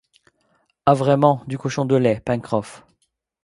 Ah vraiment, du cochon de lait, Pencroff